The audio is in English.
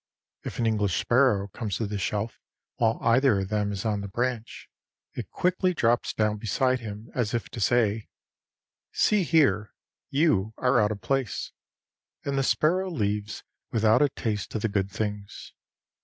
If an English sparrow comes to the shelf while either of them is on the branch, it quickly drops down beside him as if to say, "See here, you are out of place," and the sparrow leaves without a taste of the good things.